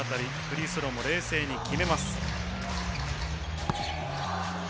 フリースローも冷静に決めます。